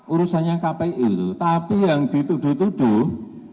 urusannya kpu itu tapi yang dituduh tuduh